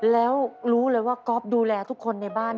แล้วรู้เลยว่าก๊อฟดูแลทุกคนในบ้าน